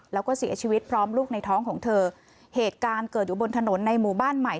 แล้วก็เสียชีวิตพร้อมลูกในท้องของเธอเหตุการณ์เกิดอยู่บนถนนในหมู่บ้านใหม่